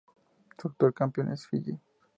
Su actual campeón es Fiyi.